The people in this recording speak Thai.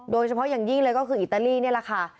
โดยเฉพาะอย่างยิ่งเลยก็คืออิตาลีนี่แหละค่ะ